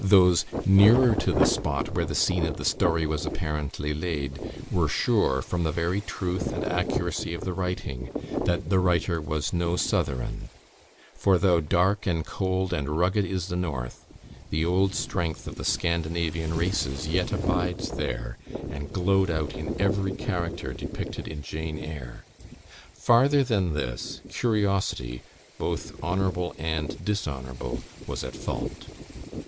Those nearer to the spot, where the scene of the story was apparently laid, were sure, from the very truth and accuracy of the writing, that the writer was no Southeron; for though "dark, and cold, and rugged is the North," the old strength of the Scandinavian races yet abides there, and glowed out in every character depicted in "Jane Eyre." Farther than this, curiosity, both honourable and dishonourable, was at fault.